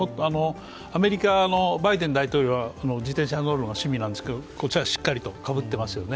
アメリカのバイデン大統領は自転車に乗るのが趣味なんですけどしっかりとかぶっていますよね。